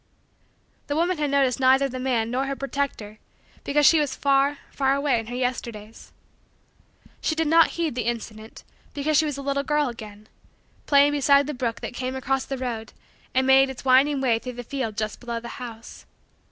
The woman had noticed neither the man nor her protector because she was far, far, away in her Yesterdays. She did not heed the incident because she was a little girl again, playing beside the brook that came across the road and made its winding way through the field just below the house.